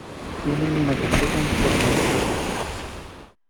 Tienen una caseta en Formentera.